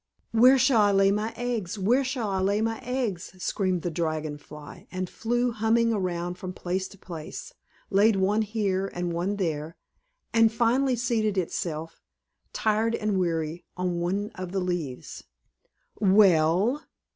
"Where shall I lay my eggs? Where shall I lay my eggs?" screamed the Dragon Fly, and flew humming around from place to place, laid one here and one there, and finally seated itself, tired and weary, on one of the leaves. "Well?"